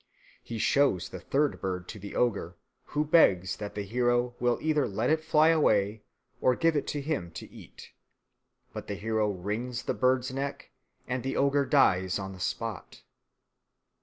He shows the third bird to the ogre, who begs that the hero will either let it fly away or give it to him to eat. But the hero wrings the bird's neck, and the ogre dies on the spot.